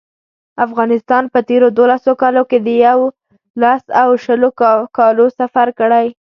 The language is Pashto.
افغانستان په تېرو دولسو کالو کې د یو سل او شلو کالو سفر کړی.